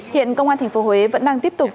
hiện công an tp huế vẫn đang tiếp tục